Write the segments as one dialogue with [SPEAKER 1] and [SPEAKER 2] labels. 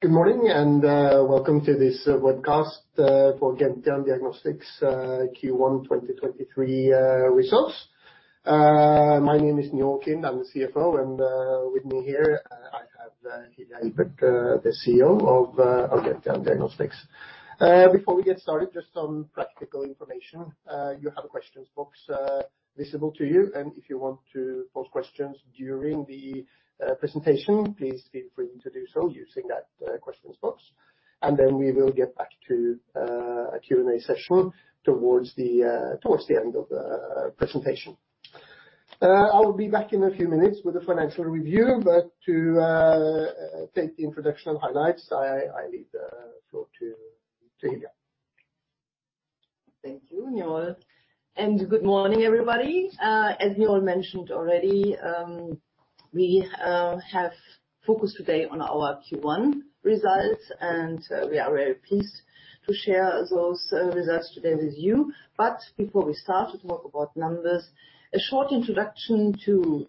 [SPEAKER 1] Good morning and welcome to this webcast for Gentian Diagnostics Q1 2023 results. My name is Njål Kind, I'm the CFO, and with me here I have Hilja Ibert, the CEO of Gentian Diagnostics. Before we get started, just some practical information. You have a questions box visible to you, and if you want to pose questions during the presentation, please feel free to do so using that questions box. We will get back to a Q&A session towards the end of the presentation. I will be back in a few minutes with the financial review, but to take the introduction of highlights, I leave the floor to Hilja.
[SPEAKER 2] Thank you, Njål. Good morning, everybody. As Njål mentioned already, we have focused today on our Q1 results. We are very pleased to share those results today with you. Before we start to talk about numbers, a short introduction to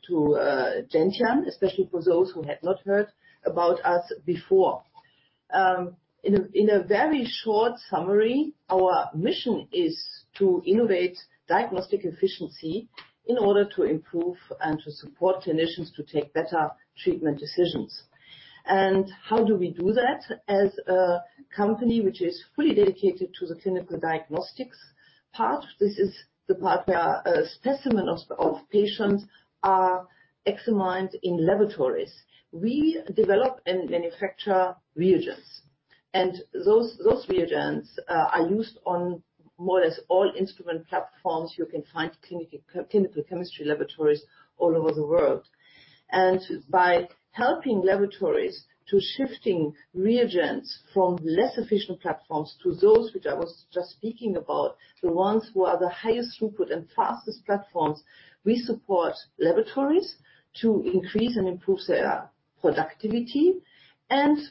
[SPEAKER 2] Gentian, especially for those who have not heard about us before. In a very short summary, our mission is to innovate diagnostic efficiency in order to improve and to support clinicians to take better treatment decisions. How do we do that? As a company which is fully dedicated to the clinical diagnostics part, this is the part where specimen of patients are examined in laboratories. We develop and manufacture reagents, and those reagents are used on more or less all instrument platforms you can find clinical chemistry laboratories all over the world. By helping laboratories to shifting reagents from less efficient platforms to those which I was just speaking about, the ones who are the highest throughput and fastest platforms, we support laboratories to increase and improve their productivity.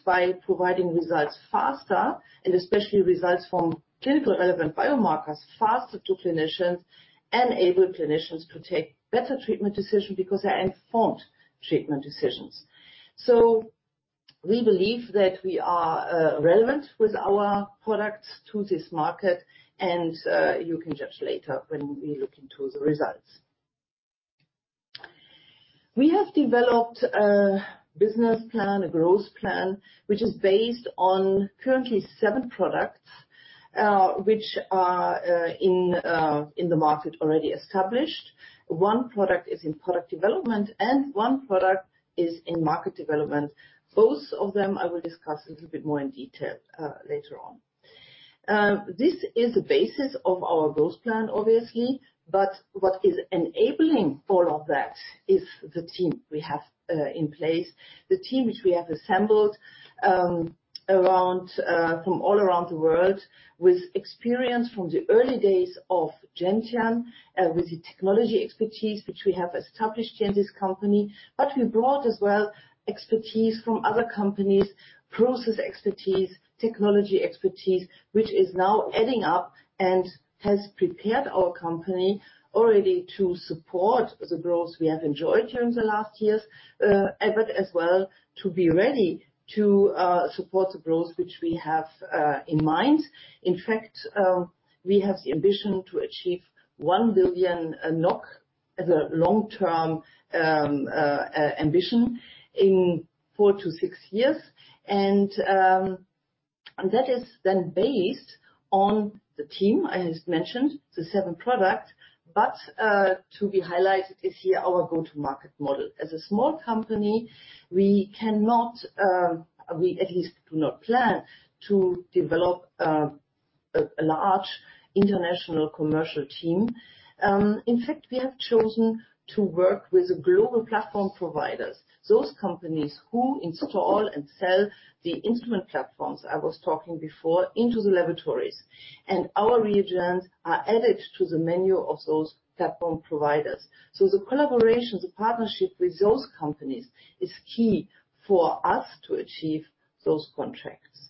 [SPEAKER 2] By providing results faster, and especially results from clinical relevant biomarkers faster to clinicians, enable clinicians to take better treatment decision because they're informed treatment decisions. We believe that we are relevant with our products to this market, and you can judge later when we look into the results. We have developed a business plan, a growth plan, which is based on currently 7 products, which are in the market already established. 1 product is in product development and 1 product is in market development. Both of them I will discuss a little bit more in detail later on. This is the basis of our growth plan, obviously, but what is enabling all of that is the team we have in place. The team which we have assembled around from all around the world with experience from the early days of Gentian, with the technology expertise which we have established in this company. We brought as well expertise from other companies, process expertise, technology expertise, which is now adding up and has prepared our company already to support the growth we have enjoyed during the last years, but as well to be ready to support the growth which we have in mind. In fact, we have the ambition to achieve 1 billion NOK as a long-term ambition in 4 to 6 years. That is then based on the team I just mentioned, the 7 products, but to be highlighted is here our go-to-market model. As a small company, we cannot, we at least do not plan to develop a large international commercial team. In fact, we have chosen to work with the global platform providers, those companies who install and sell the instrument platforms I was talking before into the laboratories. Our reagents are added to the menu of those platform providers. The collaboration, the partnership with those companies is key for us to achieve those contracts.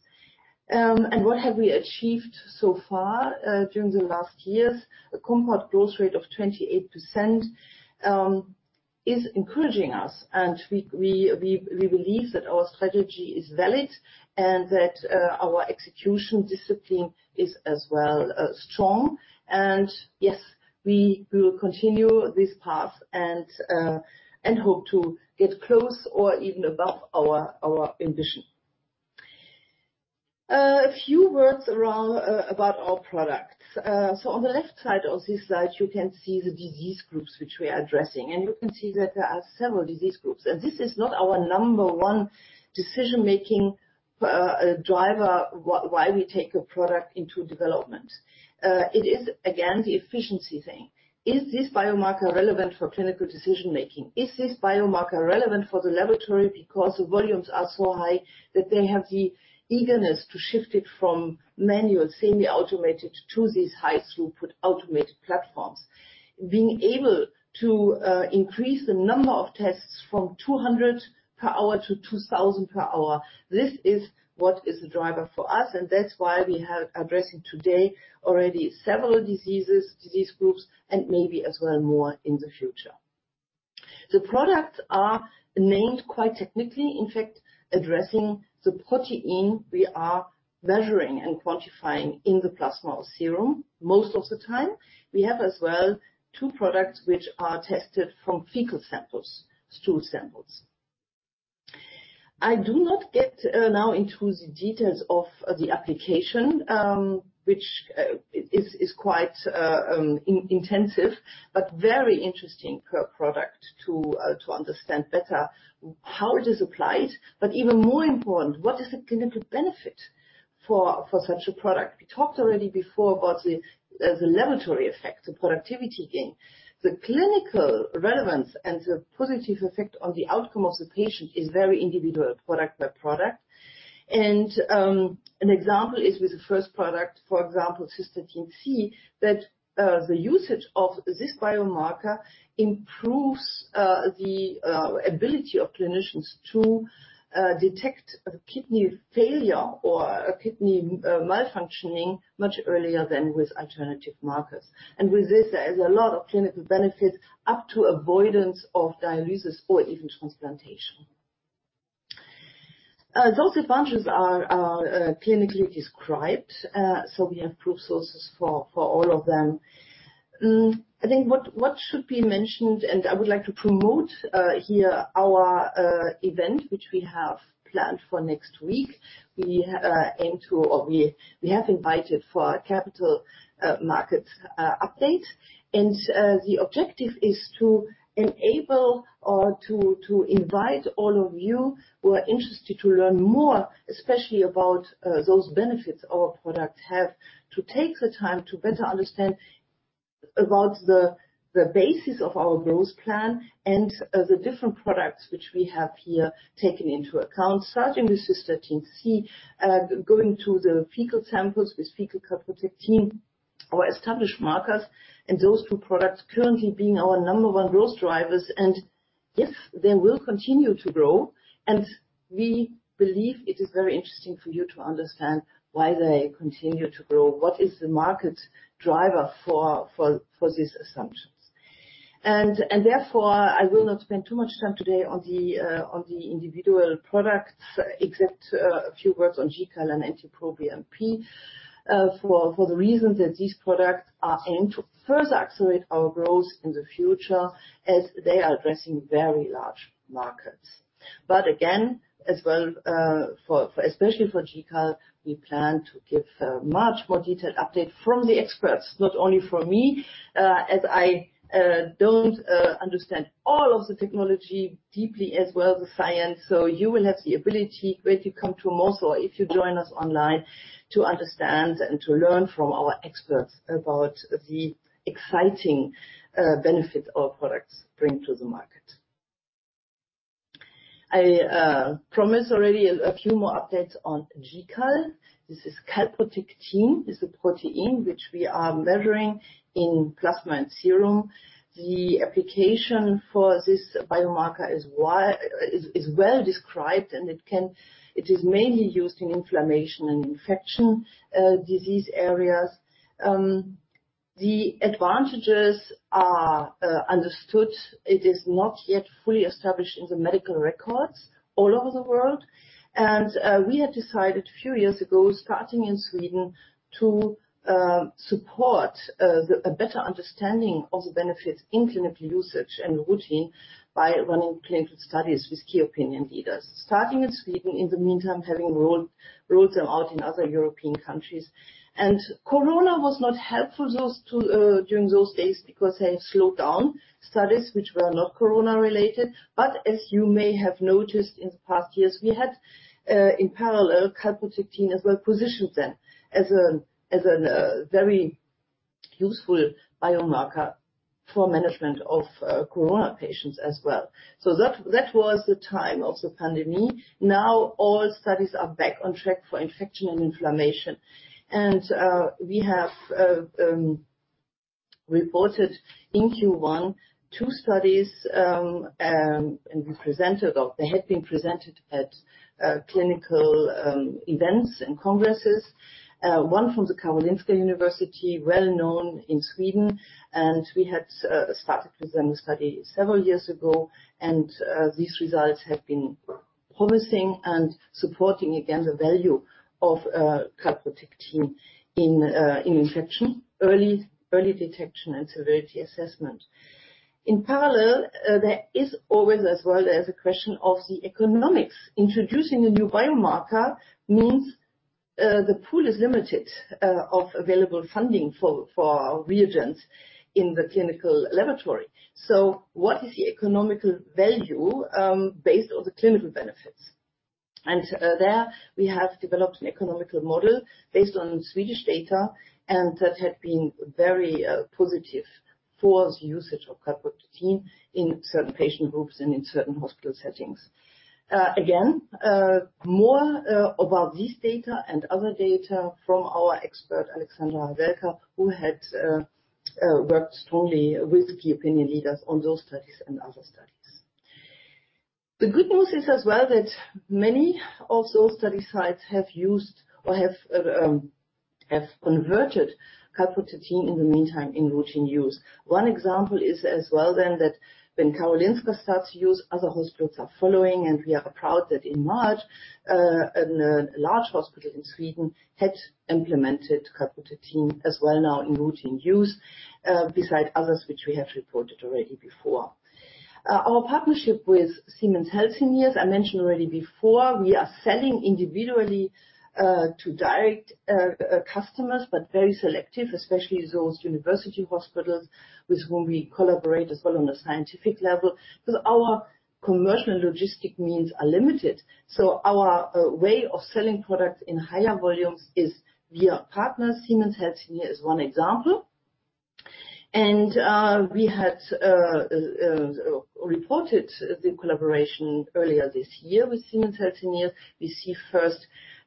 [SPEAKER 2] What have we achieved so far during the last years? A compound growth rate of 28% is encouraging us, and we believe that our strategy is valid and that our execution discipline is as well strong. Yes, we will continue this path and hope to get close or even above our ambition. A few words about our products. On the left side of this slide, you can see the disease groups which we are addressing, and you can see that there are several disease groups. This is not our number one decision-making driver, why we take a product into development. It is again, the efficiency thing. Is this biomarker relevant for clinical decision-making? Is this biomarker relevant for the laboratory because the volumes are so high that they have the eagerness to shift it from manual, semi-automated, to these high throughput automated platforms? Being able to increase the number of tests from 200 per hour to 2,000 per hour, this is what is the driver for us, and that's why we are addressing today already several diseases, disease groups, and maybe as well more in the future. The products are named quite technically, in fact, addressing the protein we are measuring and quantifying in the plasma or serum most of the time. We have as well two products which are tested from fecal samples, stool samples. I do not get now into the details of the application, which is quite in-intensive, but very interesting per product to understand better how it is applied. Even more important, what is the clinical benefit for such a product. We talked already before about the laboratory effect, the productivity gain. The clinical relevance and the positive effect on the outcome of the patient is very individual, product by product. An example is with the first product, for example, Cystatin C, that the usage of this biomarker improves the ability of clinicians to detect a kidney failure or a kidney malfunctioning much earlier than with alternative markers. With this, there is a lot of clinical benefit up to avoidance of dialysis or even transplantation. Those advantages are clinically described, so we have proof sources for all of them. I think what should be mentioned, and I would like to promote here our event, which we have planned for next week. We aim to or we have invited for a capital market update. The objective is to enable or to invite all of you who are interested to learn more, especially about those benefits our products have, to take the time to better understand about the basis of our growth plan and the different products which we have here taken into account, starting with Cystatin C, going to the fecal samples with fecal calprotectin or established markers, and those two products currently being our number one growth drivers. Yes, they will continue to grow, and we believe it is very interesting for you to understand why they continue to grow, what is the market driver for these assumptions. Therefore, I will not spend too much time today on the individual products except a few words on GCAL and NT-proBNP for the reason that these products are aimed to further accelerate our growth in the future as they are addressing very large markets. Again, as well, especially for GCAL, we plan to give a much more detailed update from the experts, not only from me, as I don't understand all of the technology deeply as well as the science. You will have the ability when you come to Moss or if you join us online to understand and to learn from our experts about the exciting benefits our products bring to the market. I promised already a few more updates on GCAL. This is calprotectin. This is a protein which we are measuring in plasma and serum. The application for this biomarker is well described and it is mainly used in inflammation and infection, disease areas. The advantages are, understood. It is not yet fully established in the medical records all over the world. We had decided a few years ago, starting in Sweden, to support a better understanding of the benefits in clinical usage and routine by running clinical studies with key opinion leaders. Starting in Sweden, in the meantime, having rolled them out in other European countries. Corona was not helpful those two during those days because they slowed down studies which were not Corona-related. As you may have noticed in the past years, we had in parallel calprotectin as well positioned then as a very useful biomarker for management of Corona patients as well. That was the time of the pandemic. All studies are back on track for infection and inflammation. We have reported in Q1 two studies, and we presented or they had been presented at clinical events and congresses. One from the Karolinska Institutet, well-known in Sweden, and we had started with them a study several years ago, and these results have been promising and supporting again the value of calprotectin in infection, early detection and severity assessment. In parallel, there is always as well there is a question of the economics. Introducing a new biomarker means the pool is limited of available funding for our reagents in the clinical laboratory. What is the economical value based on the clinical benefits? There we have developed an economical model based on Swedish data, and that had been very positive for the usage of calprotectin in certain patient groups and in certain hospital settings. Again, more about this data and other data from our expert, Aleksandra Havelka, who had worked strongly with key opinion leaders on those studies and other studies. The good news is as well that many of those study sites have used or have converted calprotectin in the meantime in routine use. One example is as well then that when Karolinska starts use, other hospitals are following. We are proud that in March, a large hospital in Sweden had implemented calprotectin as well now in routine use, beside others which we have reported already before. Our partnership with Siemens Healthineers, I mentioned already before, we are selling individually to direct customers, but very selective, especially those university hospitals with whom we collaborate as well on a scientific level, 'cause our commercial and logistic means are limited. Our way of selling products in higher volumes is via partners. Siemens Healthineers is one example. We had reported the collaboration earlier this year with Siemens Healthineers. We see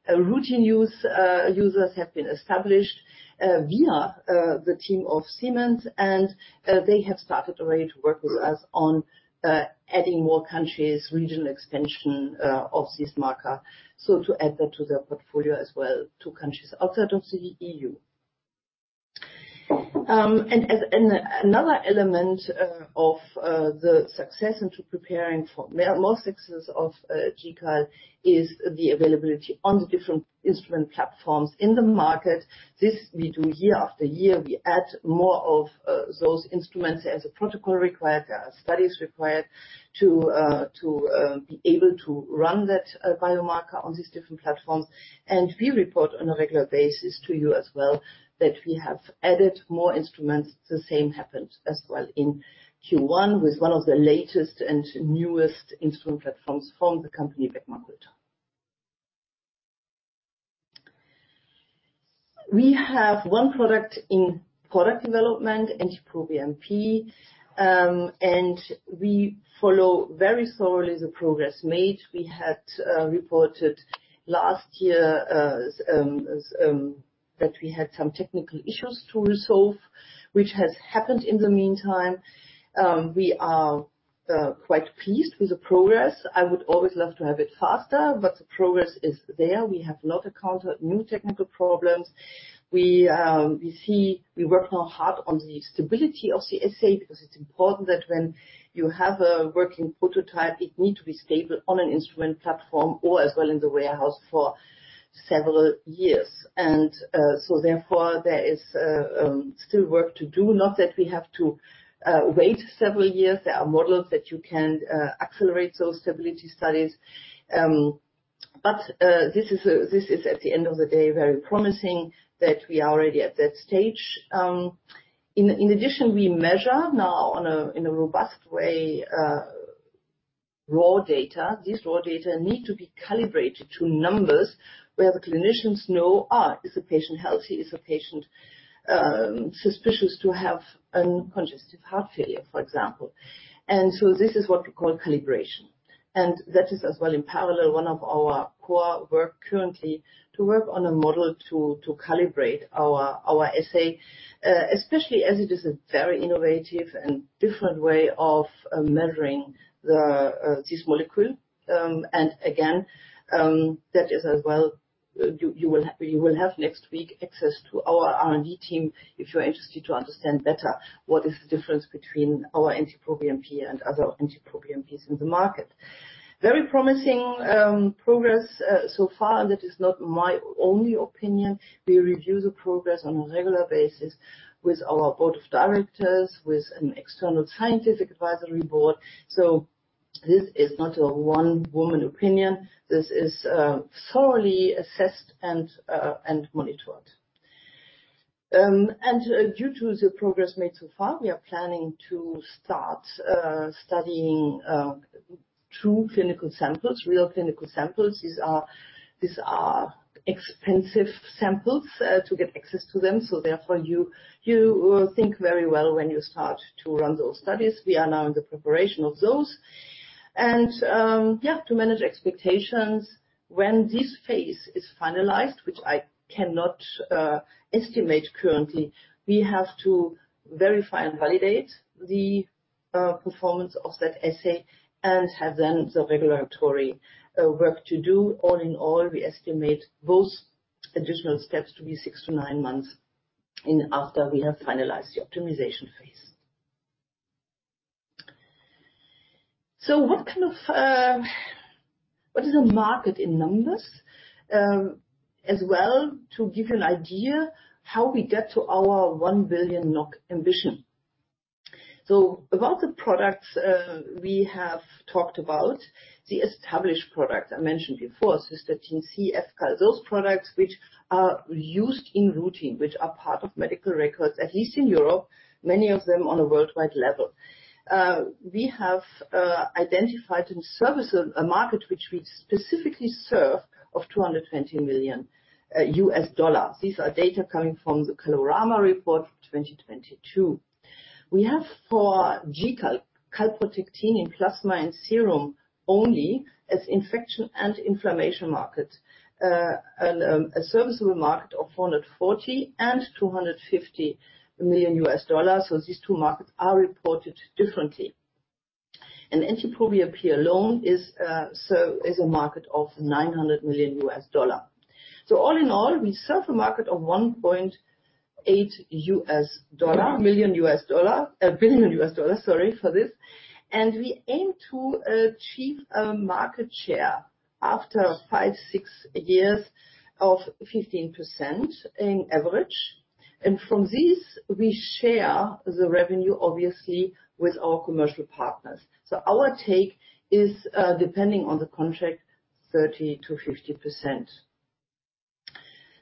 [SPEAKER 2] first routine use, users have been established, via the team of Siemens, they have started already to work with us on adding more countries, regional expansion, of this marker, so to add that to their portfolio as well, to countries outside of the EU. Another element, of the success into preparing for more success of GCAL is the availability on the different instrument platforms in the market. This we do year after year, we add more of those instruments as the protocol required, as studies required to be able to run that biomarker on these different platforms. We report on a regular basis to you as well that we have added more instruments. The same happened as well in Q1 with one of the latest and newest instrument platforms from the company Beckman Coulter. We have one product in product development, NT-proBNP. We follow very thoroughly the progress made. We had reported last year that we had some technical issues to resolve, which has happened in the meantime. We are quite pleased with the progress. I would always love to have it faster. The progress is there. We have not encountered new technical problems. We work now hard on the stability of the assay because it's important that when you have a working prototype, it need to be stable on an instrument platform or as well in the warehouse for several years. Therefore, there is still work to do. Not that we have to wait several years. There are models that you can accelerate those stability studies. But this is, at the end of the day, very promising that we are already at that stage. In addition, we measure now in a robust way raw data. These raw data need to be calibrated to numbers where the clinicians know, is the patient healthy? Is the patient suspicious to have congestive heart failure, for example. This is what we call calibration. That is as well, in parallel, one of our core work currently to work on a model to calibrate our assay, especially as it is a very innovative and different way of measuring the this molecule. Again, that is as well, you will have next week access to our R&D team if you're interested to understand better what is the difference between our NT-proBNP and other NT-proBNPs in the market. Very promising progress so far. That is not my only opinion. We review the progress on a regular basis with our board of directors, with an external scientific advisory board. This is not a one-woman opinion. This is thoroughly assessed and monitored. Due to the progress made so far, we are planning to start studying true clinical samples, real clinical samples. These are expensive samples to get access to them, so therefore, you will think very well when you start to run those studies. We are now in the preparation of those. Yeah, to manage expectations, when this phase is finalized, which I cannot estimate currently, we have to verify and validate the performance of that assay and have then the regulatory work to do. All in all, we estimate those additional steps to be 6-9 months after we have finalized the optimization phase. What kind of... What is the market in numbers? As well to give you an idea how we get to our 1 billion NOK ambition. Of all the products we have talked about, the established products I mentioned before, Cystatin C, fCAL, those products which are used in routine, which are part of medical records, at least in Europe, many of them on a worldwide level, we have identified and serviced a market which we specifically serve of $220 million. These are data coming from the Kalorama report for 2022. We have for GCAL, calprotectin in plasma and serum only as infection and inflammation market, a serviceable market of $440 million and $250 million. These two markets are reported differently. NT-proBNP alone is a market of $900 million. All in all, we serve a market of $1.8 million. $1 billion. Sorry for this. We aim to achieve a market share after five, six years of 15% in average. From this, we share the revenue, obviously, with our commercial partners. Our take is, depending on the contract, 30%-50%.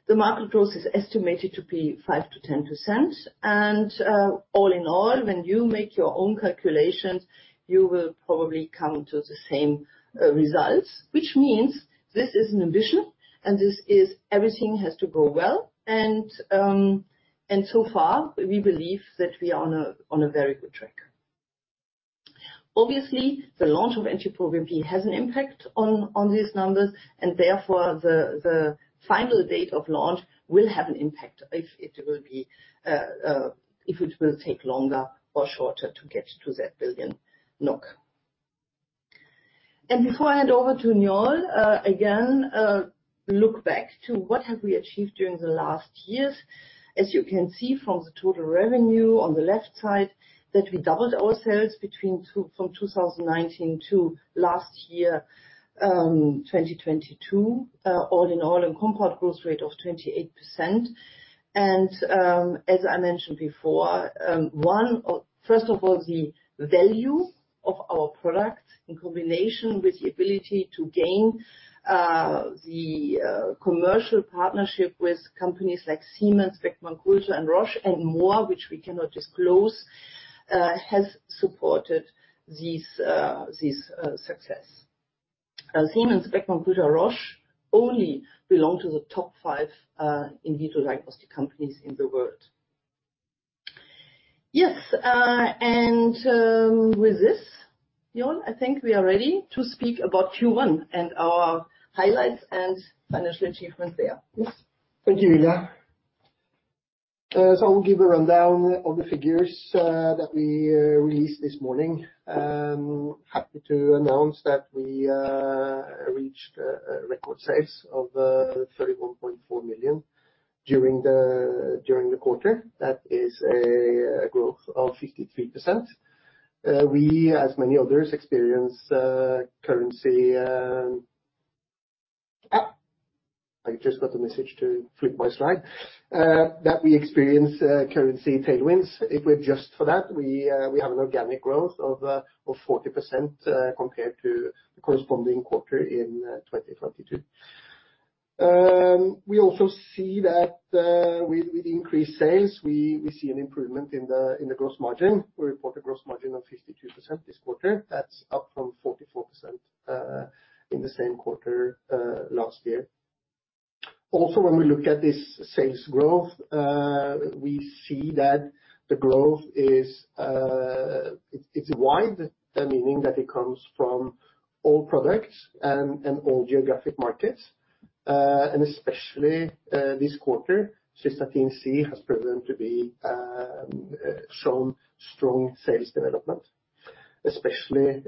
[SPEAKER 2] The market growth is estimated to be 5%-10%. All in all, when you make your own calculations, you will probably come to the same results, which means this is an ambition and this is everything has to go well. So far, we believe that we are on a very good track. Obviously, the launch of NT-proBNP has an impact on these numbers, therefore, the final date of launch will have an impact if it will take longer or shorter to get to that 1 billion NOK. Before I hand over to Njål, again, look back to what have we achieved during the last years. As you can see from the total revenue on the left side, that we doubled our sales from 2019 to last year, 2022, all in all, a compound growth rate of 28%. As I mentioned before, First of all, the value of our product in combination with the ability to gain the commercial partnership with companies like Siemens, Beckman Coulter, and Roche, and more, which we cannot disclose, has supported this success. Siemens, Beckman Coulter, Roche only belong to the top five in vitro diagnostic companies in the world. Yes, with this, Njål, I think we are ready to speak about Q1 and our highlights and financial achievements there. Yes.
[SPEAKER 1] Thank you, Hilja. I'll give a rundown of the figures that we released this morning. Happy to announce that we reached record sales of 31.4 million during the quarter. That is a growth of 53%. We, as many others, experience currency. I just got a message to flip my slide. That we experience currency tailwinds. If we adjust for that, we have an organic growth of 40% compared to the corresponding quarter in 2022. We also see that with increased sales, we see an improvement in the gross margin. We report a gross margin of 52% this quarter. That's up from 44% in the same quarter last year. When we look at this sales growth, we see that the growth is, it's wide, meaning that it comes from all products and all geographic markets. Especially, this quarter, Cystatin C has proven to be, shown strong sales development, especially,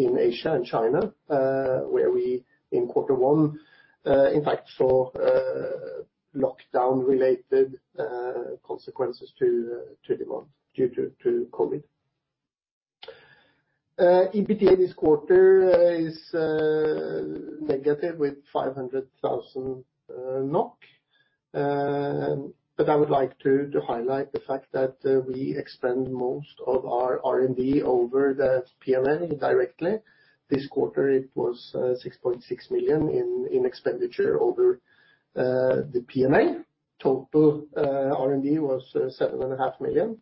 [SPEAKER 1] in Asia and China, where we in quarter one, in fact, saw, lockdown-related, consequences to demand due to COVID. EBITDA this quarter is, negative with 500,000 NOK. I would like to highlight the fact that, we expend most of our R&D over the PMA indirectly. This quarter, it was, 6.6 million in expenditure over, the PMA. Total, R&D was, seven and a half million.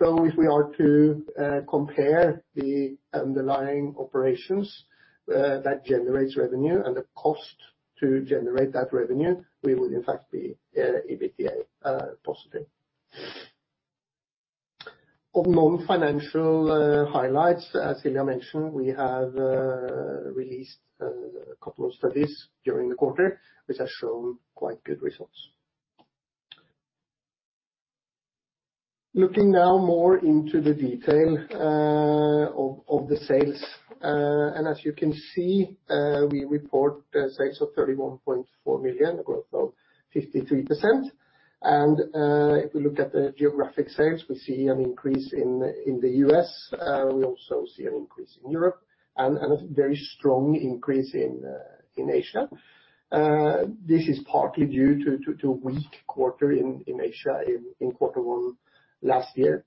[SPEAKER 1] If we are to compare the underlying operations that generates revenue and the cost to generate that revenue, we would in fact be EBITDA positive. On non-financial highlights, as Hilja mentioned, we have released a couple of studies during the quarter, which has shown quite good results. Looking now more into the detail of the sales. As you can see, we report sales of 31.4 million, a growth of 53%. If we look at the geographic sales, we see an increase in the U.S. We also see an increase in Europe and a very strong increase in Asia. This is partly due to a weak quarter in Asia in quarter one last year.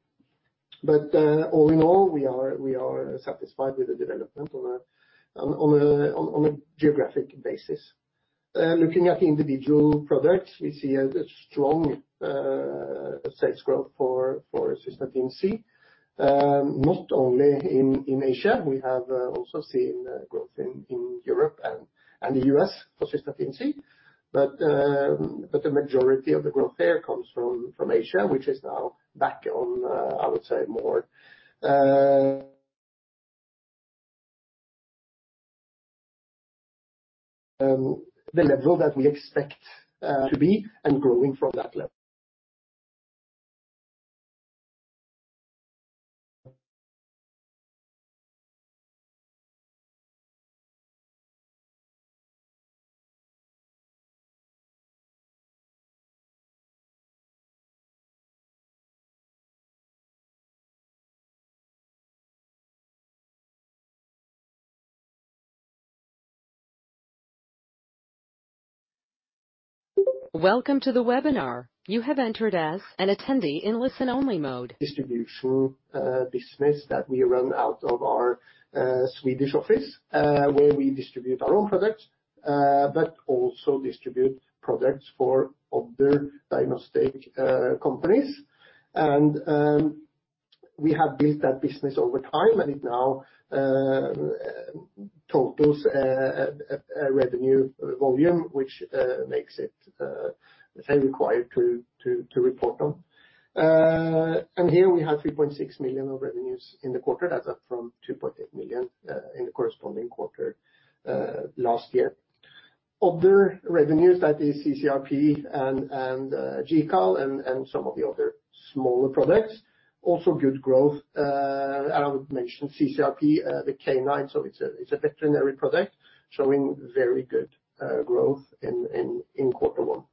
[SPEAKER 1] All in all, we are satisfied with the development on a geographic basis. Looking at the individual products, we see a strong sales growth for Cystatin C. Not only in Asia, we have also seen growth in Europe and the US for Cystatin C. The majority of the growth there comes from Asia, which is now back on, I would say more the level that we expect to be and growing from that level.
[SPEAKER 2] Welcome to the webinar. You have entered as an attendee in listen-only mode.
[SPEAKER 1] Distribution business that we run out of our Swedish office, where we distribute our own products, but also distribute products for other diagnostic companies. We have built that business over time, and it now totals a revenue volume which makes it required to report on. Here we have 3.6 million of revenues in the quarter. That's up from 2.8 million in the corresponding quarter last year. Other revenues, that is CCRP and GCAL and some of the other smaller products, also good growth. I would mention CCRP, the canine, so it's a veterinary product showing very good growth in quarter one.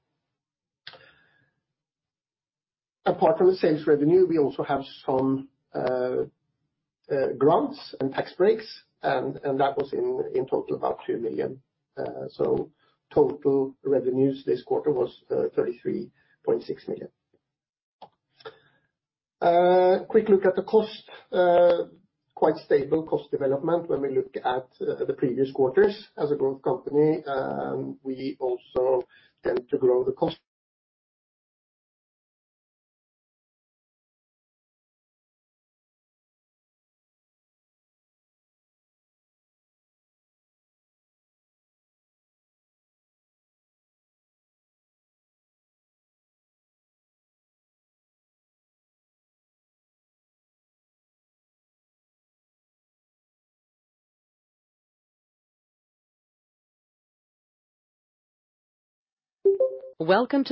[SPEAKER 1] Apart from the sales revenue, we also have some grants and tax breaks and that was in total about 2 million. Total revenues this quarter was 33.6 million. Quick look at the cost. Quite stable cost development when we look at the previous quarters. As a growth company, we also tend to grow the - Some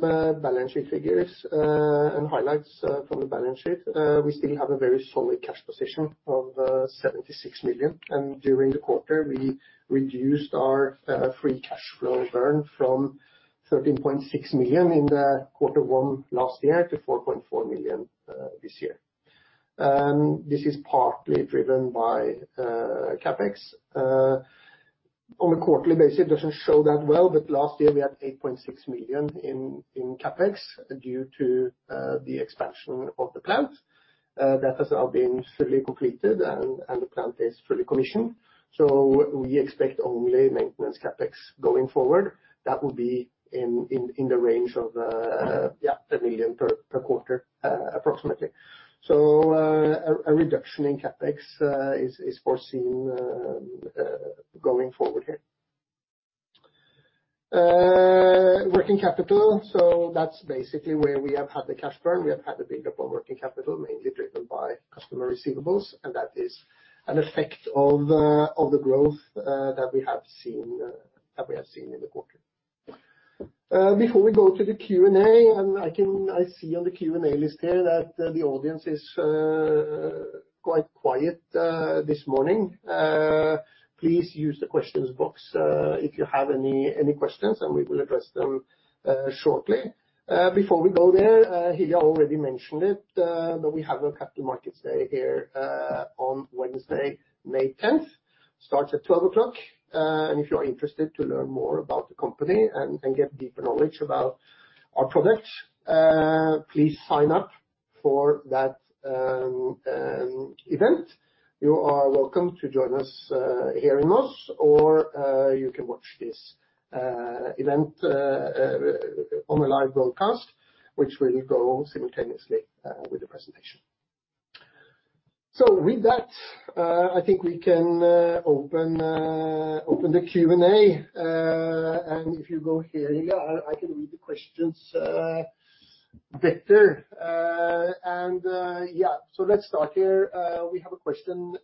[SPEAKER 1] balance sheet figures and highlights from the balance sheet. We still have a very solid cash position of 76 million. During the quarter, we reduced our free cash flow burn from 13.6 million in the quarter one last year to 4.4 million this year. This is partly driven by CapEx. On a quarterly basis, it doesn't show that well, but last year we had 8.6 million in CapEx due to the expansion of the plant. That has now been fully completed and the plant is fully commissioned. We expect only maintenance CapEx going forward. That will be in the range of 1 million per quarter approximately. A reduction in CapEx is foreseen going forward here. Working capital. That's basically where we have had the cash burn. We have had the buildup on working capital, mainly driven by customer receivables, that is an effect of the growth that we have seen in the quarter. Before we go to the Q&A, I see on the Q&A list here that the audience is quite quiet this morning. Please use the questions box if you have any questions, we will address them shortly. Before we go there, Hilja already mentioned it, that we have a capital markets day here on Wednesday, May 10th. Starts at 12:00 P.M. If you are interested to learn more about the company and get deeper knowledge about our products, please sign up for that event. You are welcome to join us here in Moss or you can watch this event on a live broadcast, which will go simultaneously with the presentation. With that, I think we can open the Q&A. If you go here, Hilja, I can read the questions better. Yeah. Let's start here. We have a question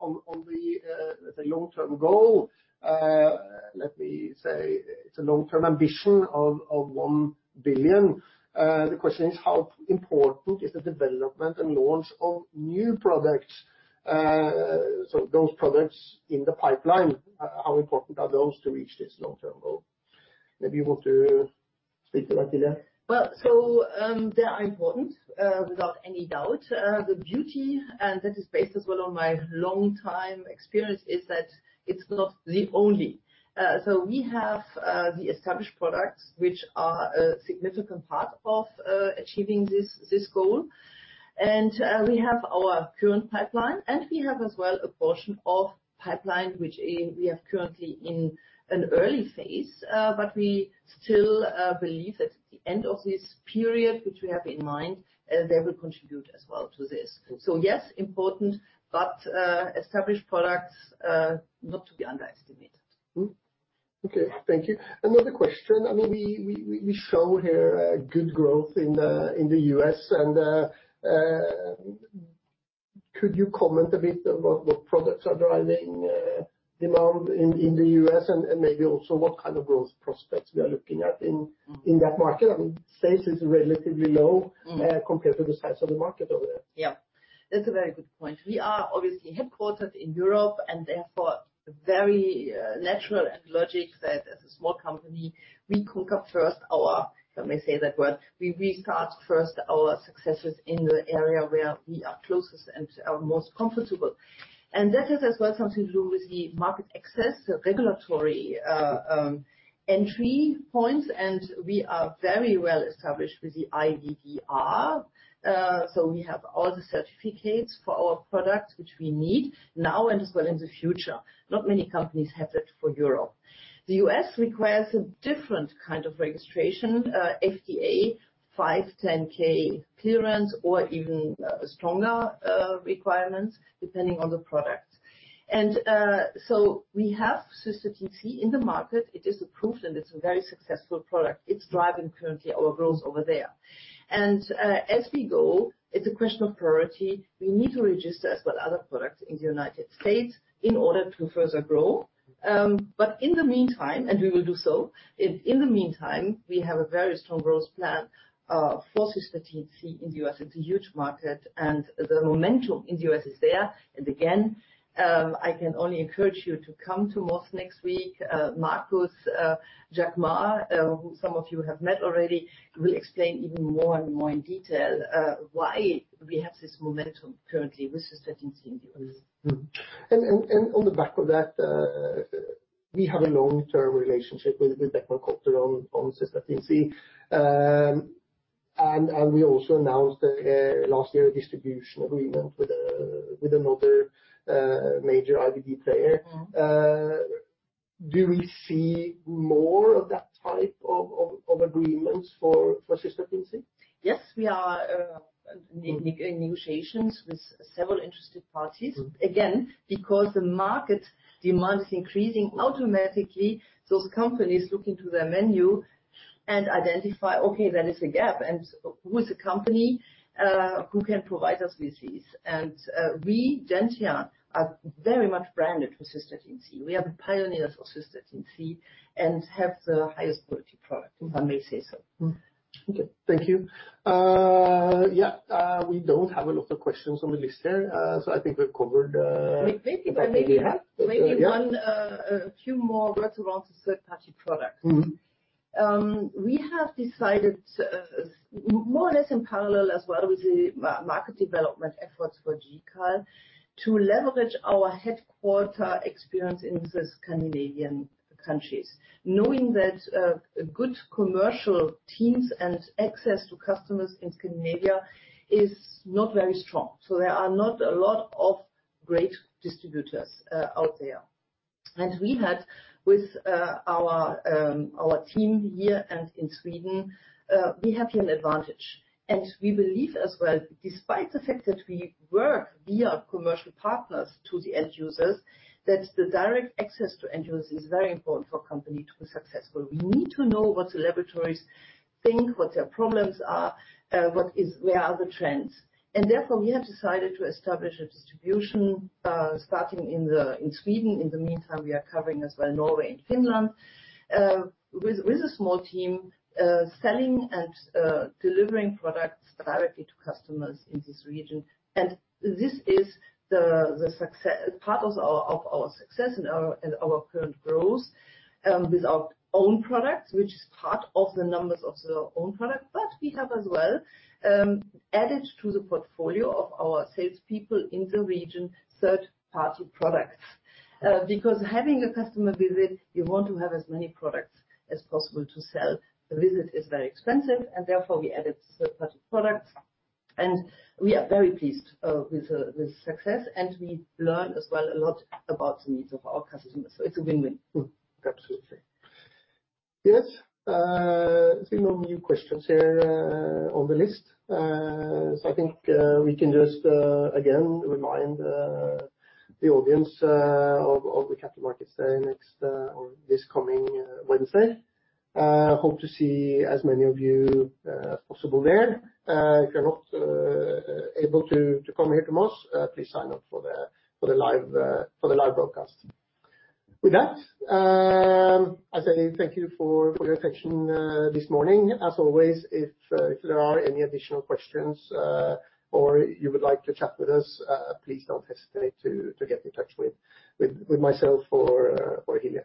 [SPEAKER 1] on the long-term goal. Let me say it's a long-term ambition of 1 billion. The question is, how important is the development and launch of new products? Those products in the pipeline, how important are those to reach this long-term goal? Maybe you want to speak to that, Hilja.
[SPEAKER 2] They are important without any doubt. The beauty, and that is based as well on my long time experience, is that it's not the only. We have the established products which are a significant part of achieving this goal. We have our current pipeline, and we have as well a portion of pipeline which we have currently in an early phase. We still believe at the end of this period, which we have in mind, they will contribute as well to this. Yes, important, but established products not to be underestimated.
[SPEAKER 1] Okay. Thank you. Another question. I mean, we show here good growth in the U.S. and could you comment a bit about what products are driving demand in the U.S. and maybe also what kind of growth prospects we are looking at in that market? I mean, sales is relatively low-
[SPEAKER 2] Mm-hmm.
[SPEAKER 1] compared to the size of the market over there.
[SPEAKER 2] Yeah, that's a very good point. We are obviously headquartered in Europe, and therefore very natural and logic that as a small company, we restart first our successes in the area where we are closest and are most comfortable. That has as well something to do with the market access, the regulatory entry points, and we are very well established with the IVDR. We have all the certificates for our products which we need now and as well in the future. Not many companies have that for Europe. The U.S. requires a different kind of registration, FDA 510(k) clearance or even stronger requirements depending on the product. We have Cystatin C in the market. It is approved, and it's a very successful product. It's driving currently our growth over there. As we go, it's a question of priority. We need to register as well other products in the United States in order to further grow. In the meantime, and we will do so, in the meantime, we have a very strong growth plan for Cystatin C in the US. It's a huge market, and the momentum in the US is there. Again, I can only encourage you to come to Moss next week. Markus Jaquemar, who some of you have met already, will explain even more and more in detail why we have this momentum currently with Cystatin C in the US.
[SPEAKER 1] On the back of that, we have a long-term relationship with Becton Dickinson on Cystatin C. We also announced last year a distribution agreement with another major IVD player.
[SPEAKER 2] Mm-hmm.
[SPEAKER 1] Do we see more of that type of agreements for Cystatin C?
[SPEAKER 2] Yes. We are in negotiations with several interested parties.
[SPEAKER 1] Mm-hmm.
[SPEAKER 2] Again, because the market demand is increasing automatically, those companies look into their menu and identify, okay, there is a gap, and who is the company who can provide us with this? We, Gentian, are very much branded for Cystatin C. We are the pioneers for Cystatin C and have the highest quality product, if I may say so.
[SPEAKER 1] Mm-hmm.
[SPEAKER 2] Thank you.
[SPEAKER 1] Thank you. Yeah, we don't have a lot of questions on the list here, so I think we've covered exactly that.
[SPEAKER 2] Maybe a few more words around the third-party products.
[SPEAKER 1] Mm-hmm.
[SPEAKER 2] We have decided, more or less in parallel as well with the market development efforts for GCAL, to leverage our headquarter experience in the Scandinavian countries. Knowing that, good commercial teams and access to customers in Scandinavia is not very strong. There are not a lot of great distributors out there. We had with our team here and in Sweden, we have here an advantage. We believe as well, despite the fact that we work via commercial partners to the end users, that the direct access to end users is very important for a company to be successful. We need to know what the laboratories think, what their problems are, where are the trends. Therefore, we have decided to establish a distribution, starting in Sweden. In the meantime, we are covering as well Norway and Finland with a small team selling and delivering products directly to customers in this region. This is part of our success and our current growth with our own products, which is part of the numbers of the own product. We have as well added to the portfolio of our salespeople in the region, third-party products. Because having a customer visit, you want to have as many products as possible to sell. The visit is very expensive, and therefore we added third-party products, and we are very pleased with the success, and we learn as well a lot about the needs of our customers. It's a win-win.
[SPEAKER 1] Absolutely. Yes. I see no new questions here on the list. I think we can just again remind the audience of the capital markets day next or this coming Wednesday. Hope to see as many of you as possible there. If you're not able to come here to Moss, please sign up for the live broadcast. With that, I say thank you for your attention this morning. As always, if there are any additional questions or you would like to chat with us, please don't hesitate to get in touch with myself or Hilja.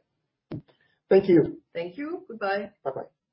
[SPEAKER 1] Thank you.
[SPEAKER 2] Thank you. Goodbye.
[SPEAKER 1] Bye-bye.